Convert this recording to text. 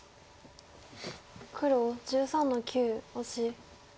黒１３の九オシ。